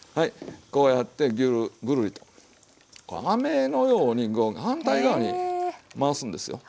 こうやってグルリとあめのように反対側に回すんですよ。